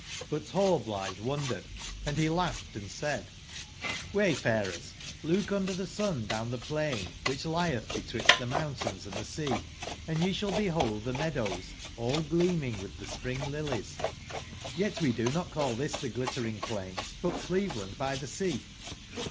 '' J^ But Hallblithe wondered, and he laughed and said :"■ Wayfarers, look under the sun down the plain which lieth betwixt themountainsand the sea, and ye shall behold the meadows all gleaming with the spring lilies; yet do we not call this the Glitter ing plain, but Cleveland by the Sea.